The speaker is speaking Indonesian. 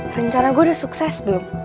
rencana gue udah sukses belum